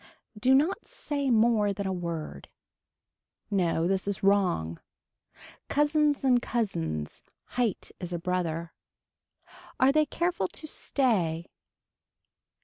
Do not say more than a word. No this is wrong. Cousins and cousins, height is a brother. Are they careful to stay.